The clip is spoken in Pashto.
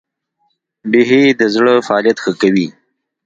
بیهي د زړه فعالیت ښه کوي.